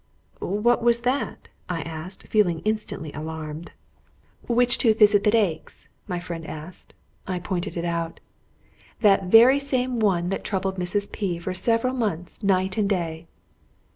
"What was that?" I asked, feeling instantly alarmed. "Which tooth is it that aches?" my friend asked. I pointed it out. "The very same one that troubled Mrs. P for several months, night and day."